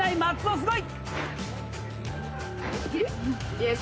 すごい！